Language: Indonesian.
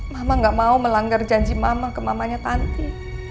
mama gak mau melanggar janji mama ke mamanya tanti